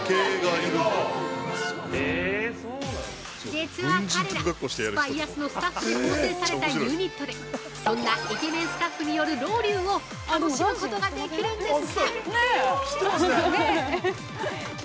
◆実は彼ら、スパ・イアスのスタッフで構成されたユニットでそんなイケメンスタッフによるロウリュウを楽しむことができるんです！